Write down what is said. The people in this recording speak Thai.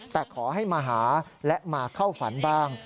แต่ขอให้มาหาและมาเข้าฝันบ้าง